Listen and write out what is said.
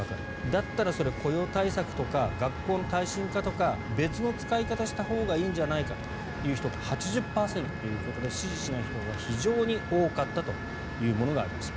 だったらそれを雇用対策とか学校の耐震化とか別の使い方をしたほうがいいんじゃないかという人が８０％ということで支持しない人が非常に多かったというものがありました。